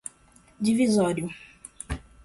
divisório